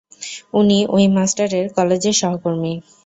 উনি ওই মাস্টারের কলেজের সহকর্মী।